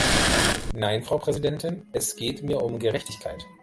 Nein, Frau Präsidentin, es geht mir um Gerechtigkeit!